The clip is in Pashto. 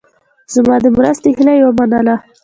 زما د مرستې هیله یې ومنله.